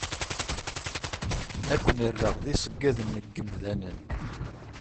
Ad ken-rreɣ d iṣeggaden n yemdanen.